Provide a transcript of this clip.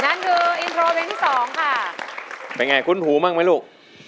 นั้นคืออินโทรวินที่๒ค่ะเป็นไงคุ้นภูมิมากไหมลูก